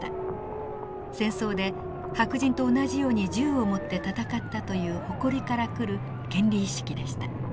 戦争で白人と同じように銃を持って戦ったという誇りからくる権利意識でした。